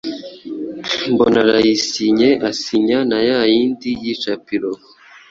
mbona arayisinye asinya na ya yindi y’icapiro.